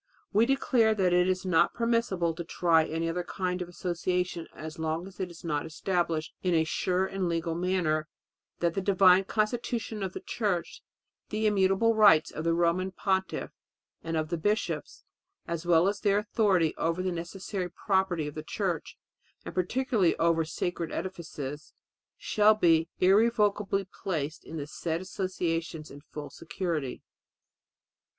"We declare that it is not permissible to try any other kind of association as long as it is not established in a sure and legal manner that the divine constitution of the Church, the immutable rights of the Roman Pontiff and of the bishops, as well as their authority over the necessary property of the Church, and particularly over sacred edifices, shall be irrevocably placed in the said associations in full security."